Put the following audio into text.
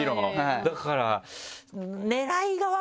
だから。